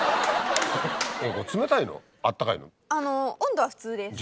あの温度は普通です。